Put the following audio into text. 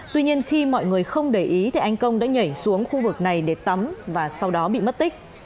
tuy nhiên khi mọi người không để ý thì anh công đã nhảy xuống khu vực này để tắm và sau đó bị mất tích